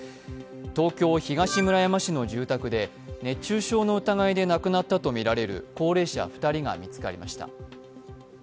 東京・東村山市の住宅で熱中症の疑いで亡くなったとみられる高齢者２人が見つかりました。